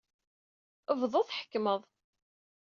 Bḍu, tḥekmed!